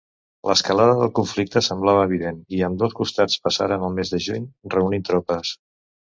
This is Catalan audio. L'escalada del conflicte semblava evident, i ambdós costats passaren el mes de juny reunint tropes.